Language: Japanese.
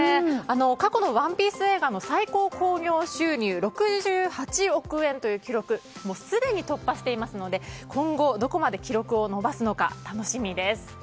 過去の「ＯＮＥＰＩＥＣＥ」映画の最高興行収入６８億円という記録をすでに突破していますので今後どこまで記録を伸ばすのか楽しみです。